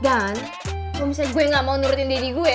dan kalo misalnya gue gak mau nurutin dede gue